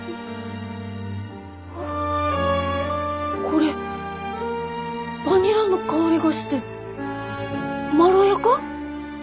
これバニラの香りがしてまろやか？